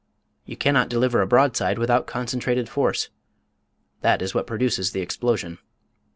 You cannot deliver a broadside without concentrated force that is what produces the explosion.